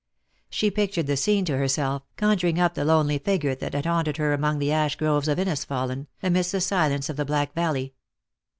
She pictured the scene to herself, conjuring up the lonely figure that had haunted her among the ash groves of Inisfallen, amidst the silence of the Black Valley.